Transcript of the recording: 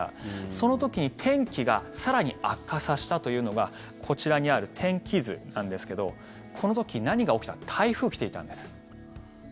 その時に天気が更に悪化させたというのがこちらにある天気図なんですけどこの時に何が起きたのって台風来ていたんです。